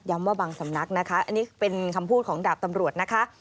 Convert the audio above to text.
ว่าบางสำนักนะคะอันนี้เป็นคำพูดของดาบตำรวจนะคะ